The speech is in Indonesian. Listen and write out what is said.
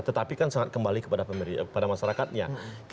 tetapi kan sangat kembali kepada masyarakatnya